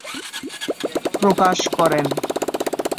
প্রকাশ করেন।